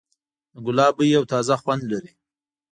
د ګلاب بوی یو تازه خوند لري.